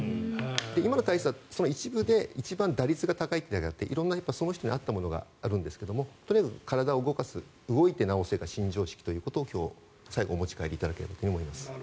今の体操は一番打率が高いというだけで色んな、その人に合ったものがあるんですがとりあえず体を動かす動いて直すのが新常識と今日、お持ち帰りいただければと思います。